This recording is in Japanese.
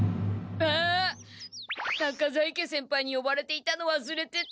あっ中在家先輩によばれていたのわすれてた。